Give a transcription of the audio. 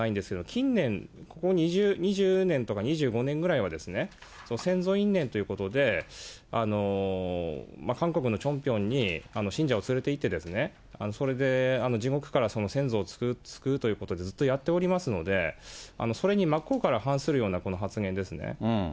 近年、ここ２０年とか、２５年ぐらいは、先祖因縁ということで、韓国のチョンピョンに信者を連れていって、地獄から先祖を救うということで、ずっとやっておりますので、それに真っ向から反するような発言ですね。